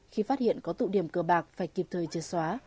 khi phát hiện có tụ điểm cờ bạc phải kịp thời chệt xóa